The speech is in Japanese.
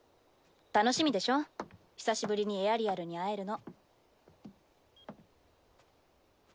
楽しみでしょ久しぶりにエアリアルに会えるの。